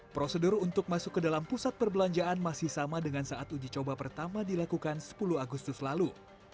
prosedur untuk masuk ke dalam pusat perbelanjaan masih sama dengan saat uji coba pertama dilakukan sepuluh agustus lalu